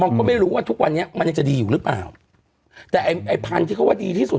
มันก็ไม่รู้ว่าทุกวันนี้มันยังจะดีอยู่หรือเปล่าแต่ไอ้ไอ้พันธุ์ที่เขาว่าดีที่สุด